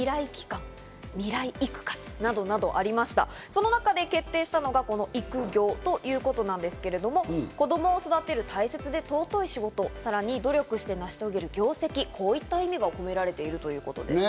その中で決定したのが育業ということなんですけど、子供を育てる大切で尊い仕事、さらに努力して成し遂げる業績、こういった意味が込められているということです。